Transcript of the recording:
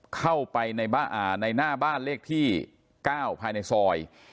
เข้าไปในหน้าบ้านเลขที่๙ภายในซอย